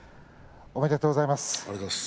おめでとうございます。